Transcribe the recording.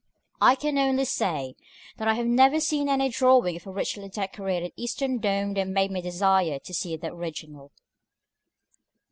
I can only say, that I have never seen any drawing of a richly decorated Eastern dome that made me desire to see the original.